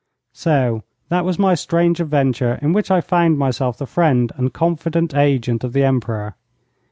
So that was my strange adventure in which I found myself the friend and confident agent of the Emperor.